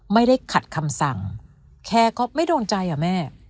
ไม่ได้ขัดคำสั่งแค่ก็ไม่โดนใจอ่ะแม่